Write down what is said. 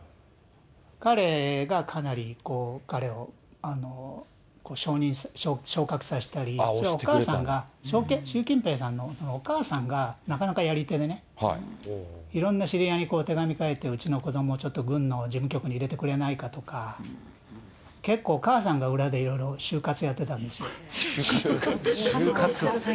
彼がかなり、彼を昇格させたり、それはお母さんが、習近平さんのお母さんがなかなかやり手でね、いろんな知り合いに手紙書いて、うちの子ども、ちょっと軍の事務局に入れてくれないかとか、結構お母さんが裏でいろいろ就活やってたんですよ。